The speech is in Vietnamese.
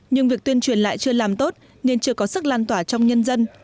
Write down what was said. nhưng việc tuyên truyền lại chưa làm tốt nên chưa có sức lan tỏa trong nhân dân